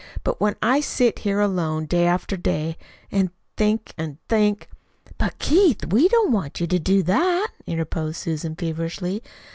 But when I sit here alone day after day and think and think " "But, Keith, we don't want you to do that," interposed Susan feverishly.